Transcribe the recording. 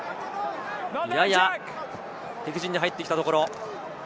やや敵陣に入ってきたところ。